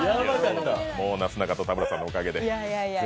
もうなすなかと田村さんのおかげで。